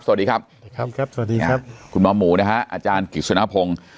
สวัสดีครับสวัสดีครับคุณมอมหมู่นะฮะอาจารย์กิจสุนาพงษ์